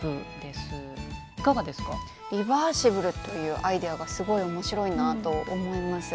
リバーシブルというアイデアがすごい面白いなと思います。